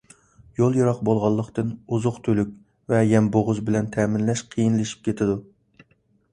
يول يىراق بولغانلىقتىن، ئوزۇق-تۈلۈك ۋە يەم-بوغۇز بىلەن تەمىنلەش قىيىنلىشىپ كېتىدۇ.